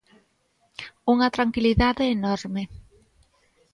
Unha tranquilidade enorme.